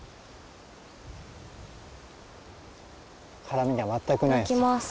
辛みが全くないです。